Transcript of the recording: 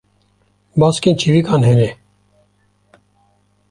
Baskên çivîkan hene.